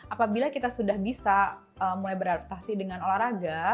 apabila kita sudah bisa mulai beradaptasi dengan olahraga